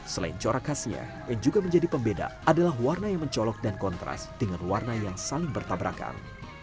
selain corak khasnya yang juga menjadi pembeda adalah warna yang mencolok dan kontras dengan warna yang saling bertabrakan